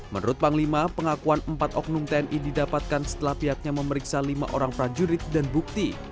menurut panglima pengakuan empat oknum tni didapatkan setelah pihaknya memeriksa lima orang prajurit dan bukti